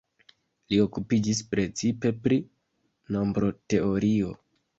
Li okupiĝis precipe pri nombroteorio.